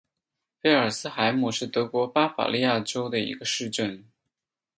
菲尔斯海姆是德国巴伐利亚州的一个市镇。